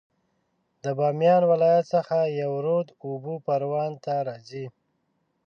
د بامیان ولایت څخه یو رود اوبه پروان ته راځي